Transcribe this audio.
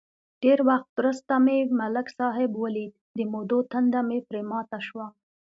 ډېر وخت ورسته مې ملک صاحب ولید، د مودو تنده مې پرې ماته شوه.